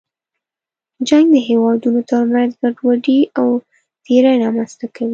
جنګ د هېوادونو تر منځ ګډوډي او تېرې رامنځته کوي.